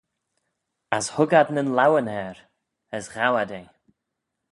As hug ad nyn laueyn er, as ghow ad eh.